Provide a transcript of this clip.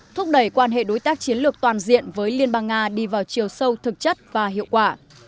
thúc đẩy quan hệ đối tác chiến lược toàn diện với liên bang nga đi vào chiều sâu thực chất và hiệu quả